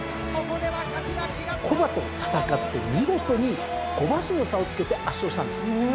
古馬と戦って見事に５馬身の差をつけて圧勝したんです。